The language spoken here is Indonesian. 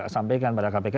sampaikan pada kpk